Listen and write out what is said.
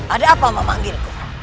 ada apa memanggilku